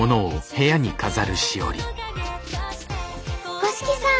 五色さん